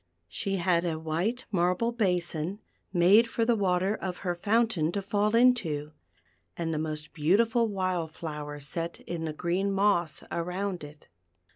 She had a white marble basin, made for the water of her fountain to fall into, and the most beautiful wild flowers set in the green moss around it.